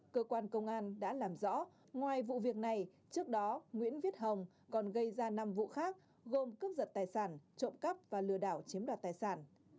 cơ quan công an đã làm rõ ngoài vụ việc này trước đó nguyễn viết hồng còn gây ra năm vụ khác gồm cướp giật tài sản trộm cắp và lừa đảo chiếm đoạt tài sản